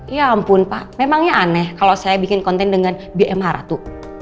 ya ampun pak memangnya aneh kalau saya bikin konten dengan bmh ratu